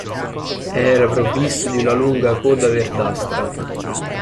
Era provvisto di una lunga coda verdastra.